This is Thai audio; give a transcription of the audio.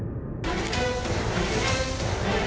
โปรดติดตาม